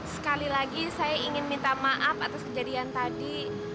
sekali lagi saya ingin minta maaf atas kejadian tadi